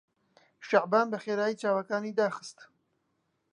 شەعبان بەخێرایی چاوەکانی داخستن.